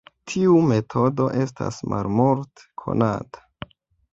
Tiu metodo estas malmulte konata.